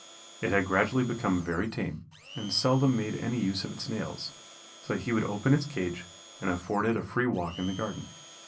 It had gradually become very tame and seldom made any use of its nails, so that he would open its cage and afford it a free walk in the garden.